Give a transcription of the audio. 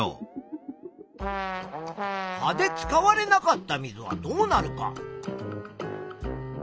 葉で使われなかった水はどうなるか。